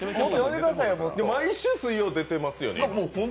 毎週水曜出てますよね？